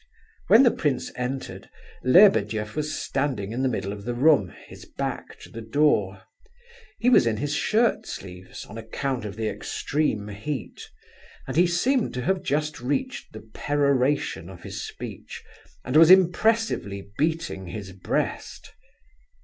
When the prince entered, Lebedeff was standing in the middle of the room, his back to the door. He was in his shirt sleeves, on account of the extreme heat, and he seemed to have just reached the peroration of his speech, and was impressively beating his breast.